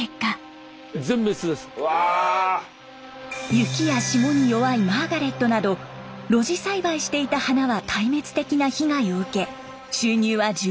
雪や霜に弱いマーガレットなど露地栽培していた花は壊滅的な被害を受け収入は１０分の１に。